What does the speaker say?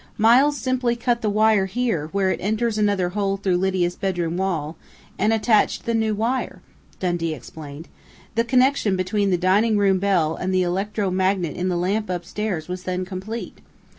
"Miles simply cut the wire here where it enters another hole through Lydia's bedroom wall, and attached the new wire," Dundee explained. "The connection between the dining room bell and the electro magnet in the lamp upstairs was then complete....